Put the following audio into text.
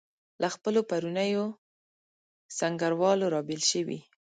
له خپلو پرونیو سنګروالو رابېل شوي.